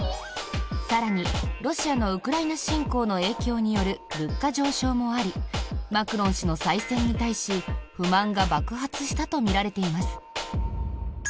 更に、ロシアのウクライナ侵攻の影響による物価上昇もありマクロン氏の再選に対し、不満が爆発したとみられています。